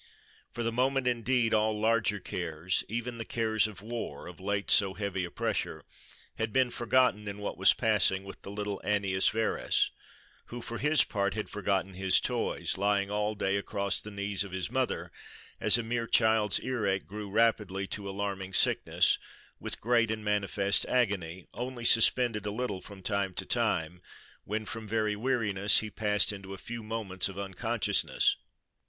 For the moment, indeed, all larger cares, even the cares of war, of late so heavy a pressure, had been forgotten in what was passing with the little Annius Verus; who for his part had forgotten his toys, lying all day across the knees of his mother, as a mere child's ear ache grew rapidly to alarming sickness with great and manifest agony, only suspended a little, from time to time, when from very weariness he passed into a few moments of unconsciousness.